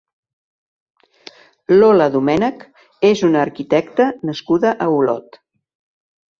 Lola Domènech és una arquitecta nascuda a Olot.